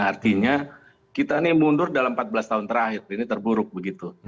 artinya kita ini mundur dalam empat belas tahun terakhir ini terburuk begitu